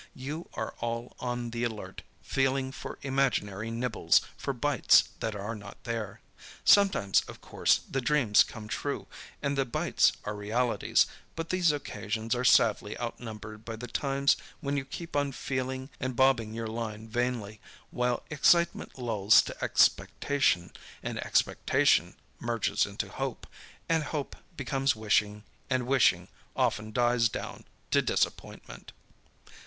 You are all on the alert, feeling for imaginary nibbles, for bites that are not there. Sometimes, of course, the dreams come true, and the bites are realities; but these occasions are sadly outnumbered by the times when you keep on feeling and bobbing your line vainly, while excitement lulls to expectation, and expectation merges into hope, and hope becomes wishing, and wishing often dies down to disappointment.